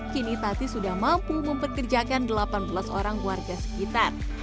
kini tati sudah mampu mempekerjakan delapan belas orang warga sekitar